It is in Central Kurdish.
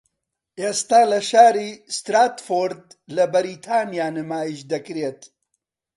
ئێستا لە شاری ستراتفۆرد لە بەریتانیا نمایشدەکرێت